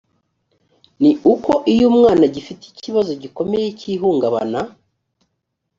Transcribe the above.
ni uko iyo umwana agifite ikibazo gikomeye cy ihungabana